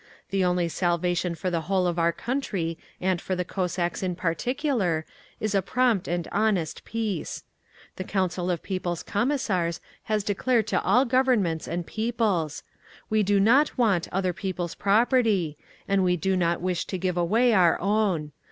The only salvation for the whole of our country and for the Cossacks in particular is a prompt and honest peace. The Council of People's Commissars has declared to all Governments and peoples: We do not want other people's property, and we do not wish to give away our own.